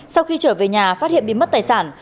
sau khi trở về nhà phát hiện bị mất tài sản